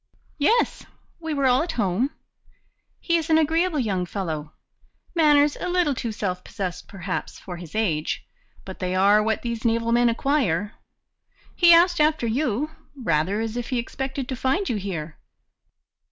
"Yes, we were all at home. He is an agreeable young fellow; manners a little too self possessed, perhaps, for his age, but they are what these naval men acquire. He asked after you, rather as if he expected to find you here."